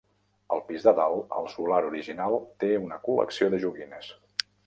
Al pis de dalt, el solar original té una col·lecció de joguines.